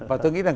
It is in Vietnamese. và tôi nghĩ rằng